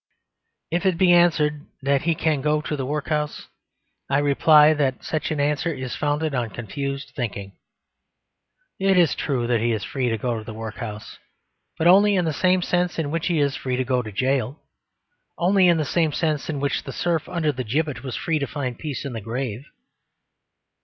If it be answered that he can go to the workhouse, I reply that such an answer is founded on confused thinking. It is true that he is free to go to the workhouse, but only in the same sense in which he is free to go to jail, only in the same sense in which the serf under the gibbet was free to find peace in the grave.